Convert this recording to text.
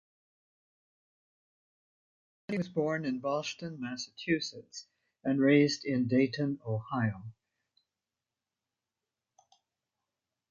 Janney was born in Boston, Massachusetts and raised in Dayton, Ohio.